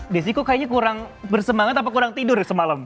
desiko kayaknya kurang bersemangat apa kurang tidur semalam